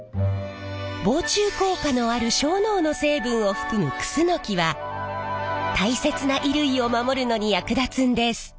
防虫効果のあるしょうのうの成分を含むクスノキは大切な衣類を守るのに役立つんです。